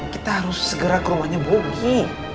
kita harus segera ke rumahnya bugi